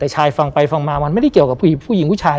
ชายฟังไปฟังมามันไม่ได้เกี่ยวกับผู้หญิงผู้ชาย